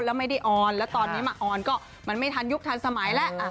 แล้วไม่ได้ออนแล้วตอนนี้มาออนก็มันไม่ทันยุคทันสมัยแล้ว